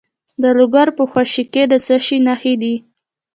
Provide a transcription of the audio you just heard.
د لوګر په خوشي کې د څه شي نښې دي؟